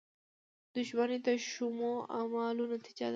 • دښمني د شومو اعمالو نتیجه ده.